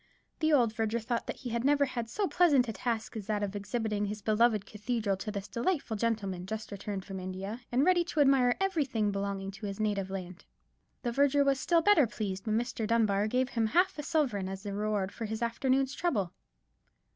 The old verger thought that he had never had so pleasant a task as that of exhibiting his beloved cathedral to this delightful gentleman, just returned from India, and ready to admire everything belonging to his native land. The verger was still better pleased when Mr. Dunbar gave him half a sovereign as the reward for his afternoon's trouble.